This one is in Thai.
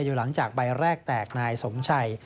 อยู่หลังจากใบแรกแตกนายสมชัย